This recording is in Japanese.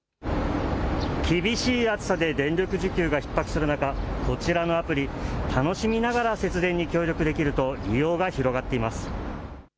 厳しい暑さで電力需給がひっ迫する中、こちらのアプリ、楽しみながら節電に協力できると、利用が広がっています。